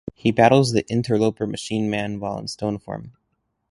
He battles the interloper Machine Man while in stone form.